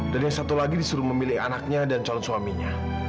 dan yang satu lagi disuruh memilih anaknya dan calon suaminya